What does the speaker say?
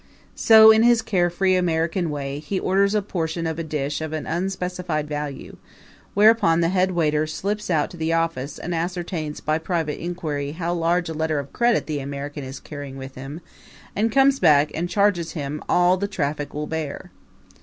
So, in his carefree American way, he orders a portion of a dish of an unspecified value; whereupon the head waiter slips out to the office and ascertains by private inquiry how large a letter of credit the American is carrying with him, and comes back and charges him all the traffic will bear.